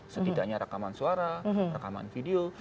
setidaknya rekaman suara rekaman video